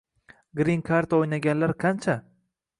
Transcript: grin karta o‘ynaganlar qancha